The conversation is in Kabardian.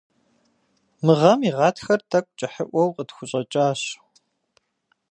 Мы гъэм и гъатхэр тӀэкӀу кӀыхьыӀуэу къытхущӀэкӀащ.